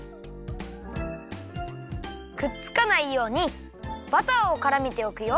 くっつかないようにバターをからめておくよ。